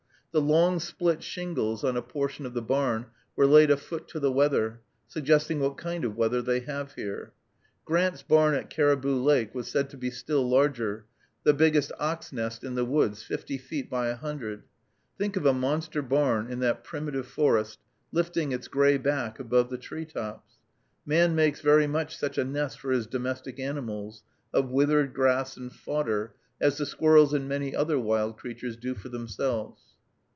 The long split shingles on a portion of the barn were laid a foot to the weather, suggesting what kind of weather they have there. Grant's barn at Caribou Lake was said to be still larger, the biggest ox nest in the woods, fifty feet by a hundred. Think of a monster barn in that primitive forest lifting its gray back above the tree tops! Man makes very much such a nest for his domestic animals, of withered grass and fodder, as the squirrels and many other wild creatures do for themselves.